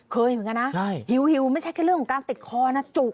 เคยเหมือนกันนะเฮียวไม่ใช่คือเรื่องการติดคอนจุก